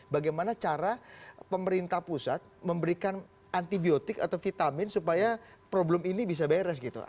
bagaimana cara pemerintah pusat memberikan antibiotik atau vitamin supaya problem ini bisa beres gitu